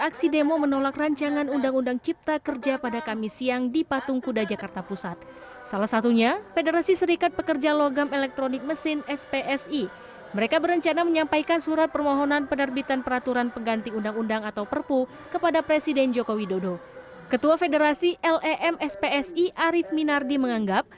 ketua federasi lem spsi arief minardi menganggap